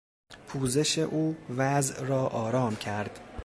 پوزش او وضع را آرام کرد.